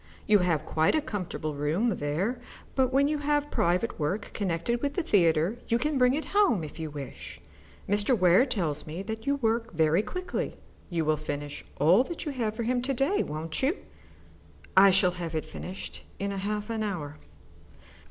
You have quite a comfortable room there, but when you have private work connected with the theatre you can bring it home if you wish. Mr. Ware tells me that you work very quickly. You will finish all that you have for him to day, won't you?" "I shall have it finished in half an hour."